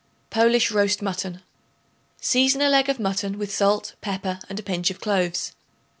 Polish Roast Mutton. Season a leg of mutton with salt, pepper and a pinch of cloves.